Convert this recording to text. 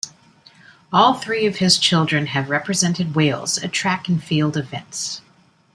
All three of his children have represented Wales at Track and Field events.